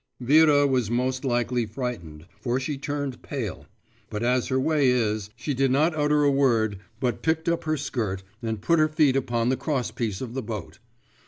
Vera was most likely frightened, for she turned pale, but as her way is, she did not utter a word, but picked up her skirt, and put her feet upon the crosspiece of the boat.